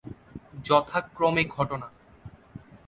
যথাক্রমে ঘটনা।